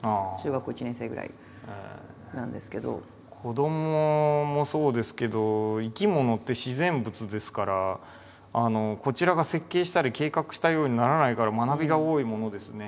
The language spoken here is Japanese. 子どももそうですけど生き物って自然物ですからこちらが設計したり計画したようにならないから学びが多いものですね。